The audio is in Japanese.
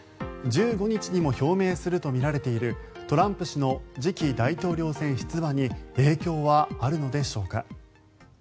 １５日にも表明するとみられているトランプ氏の次期大統領選出馬に影響はあるのでしょうか。